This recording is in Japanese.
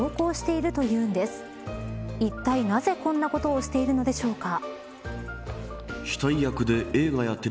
いったい、なぜこんなことをしているのでしょうか。